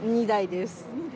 ２台です。